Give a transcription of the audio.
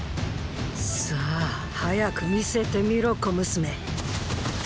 さァ早く見せてみろ小娘。